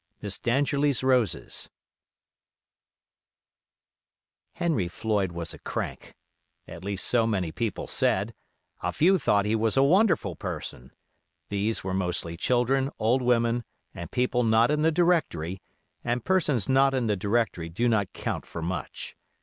MISS DANGERLIE'S ROSES Henry Floyd was a crank, at least so many people said; a few thought he was a wonderful person: these were mostly children, old women, and people not in the directory, and persons not in the directory do not count for much.